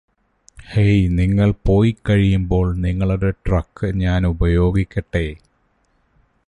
hey നിങ്ങള് പോയിക്കഴിയുമ്പോൾ നിങ്ങളുടെ ട്രക്ക് ഞാന് ഉപയോഗിക്കട്ടേ